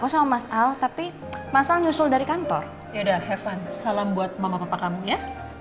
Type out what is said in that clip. sampai jumpa di video selanjutnya